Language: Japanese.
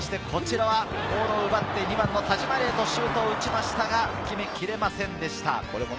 こちらはボールを奪って２番の田島黎門、シュートを打ちましたが、決めきれませんでした。